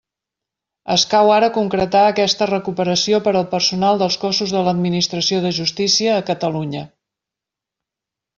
Escau ara concretar aquesta recuperació per al personal dels cossos de l'Administració de justícia a Catalunya.